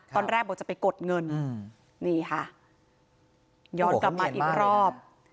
ตอนแรกบอกจะไปกดเงินนี่ค่ะย้อนกลับมาอีกรอบ